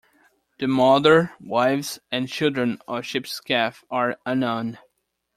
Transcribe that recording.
The mother, wives and children of Shepseskaf are unknown.